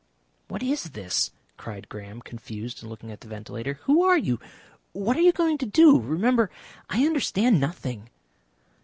"What is this?" cried Graham, confused and looking at the ventilator. "Who are you? What are you going to do? Remember, I understand nothing."